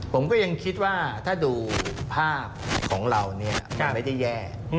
ผมก็ยังคิดว่าถ้าดูภาพของเราเนี่ยมันไม่ได้แย่